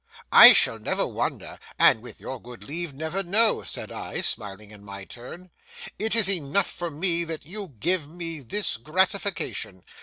'I shall never wonder, and, with your good leave, never know,' said I, smiling in my turn. 'It is enough for me that you give me this gratification.